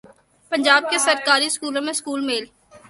پنجاب کے سرکاری سکولوں میں سکول میل